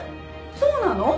そうなの？